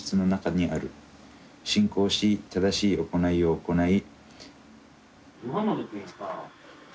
信仰し正しい行いを行い」。